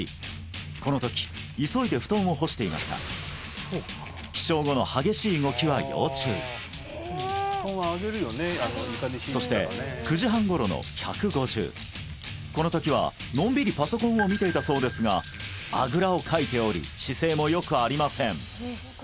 このとき急いで布団を干していました起床後の激しい動きは要注意そして９時半頃の１５０このときはのんびりパソコンを見ていたそうですがあぐらをかいており姿勢もよくありません